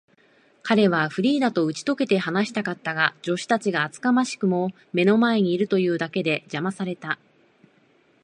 彼はフリーダとうちとけて話したかったが、助手たちが厚かましくも目の前にいるというだけで、じゃまされた。